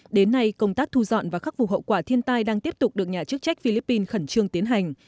đến nay công tác thu dọn và khắc phục hậu quả thiên tai đang tiếp tục được nhà chức trách philippines khẩn trương tiến hành